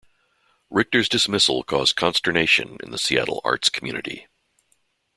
Richter's dismissal caused consternation in the Seattle arts community.